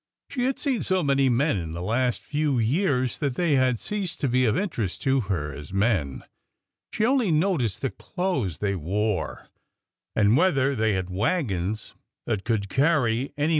She had seen so many men in the last few years that they had ceased to be of interest to her as men. She only noticed the clothes they wore and whether they had wagons that could carry any 3i6 ORDER NO.